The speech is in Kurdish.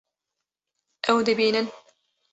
Ew dibînin